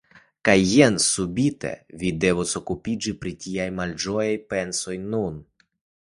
Kaj jen subite vi ne devus okupiĝi pri tiaj malĝojaj pensoj nun.